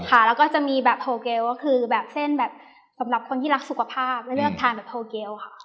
ค่ะแล้วก็จะมีแบบโทเกลก็คือแบบเส้นแบบสำหรับคนที่รักสุขภาพแล้วเลือกทานแบบโทเกลค่ะ